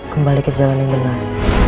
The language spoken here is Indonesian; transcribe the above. kembali ke jalan yang benar